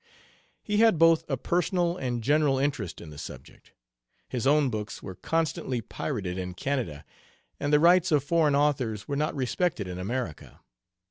He had both a personal and general interest in the subject. His own books were constantly pirated in Canada, and the rights of foreign authors were not respected in America.